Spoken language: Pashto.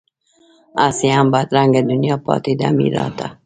هسې هم بدرنګه دنیا پاتې ده میراته